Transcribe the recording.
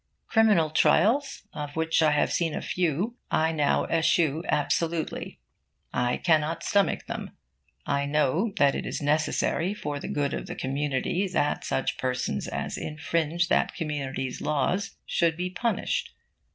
Criminal trials, of which I have seen a few, I now eschew absolutely. I cannot stomach them. I know that it is necessary for the good of the community that such persons as infringe that community's laws should be punished.